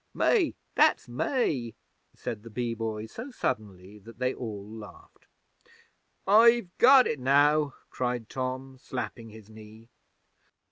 'Me! That's me!' said the Bee Boy so suddenly that they all laughed. 'I've got it now!' cried Tom, slapping his knee.